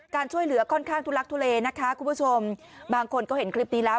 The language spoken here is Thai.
การช่วยเหลือค่อนข้างทุลักทุเลนะคะคุณผู้ชมบางคนก็เห็นคลิปนี้แล้ว